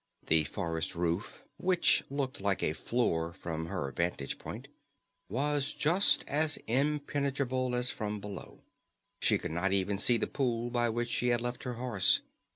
The forest roof which looked like a floor from her vantage point was just as impenetrable as from below. She could not even see the pool by which she had left her horse.